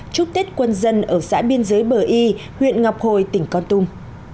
chúc tết quân dân ở xã biên giới bờ y huyện ngọc hồi tỉnh con tum